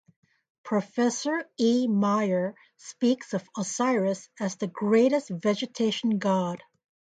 Professor E. Meyer speaks of Osiris as the great vegetation god.